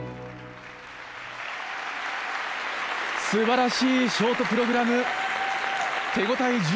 すばらしいショートプログラム手応え